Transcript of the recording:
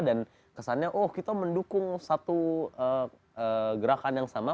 dan kesannya oh kita mendukung satu gerakan yang sama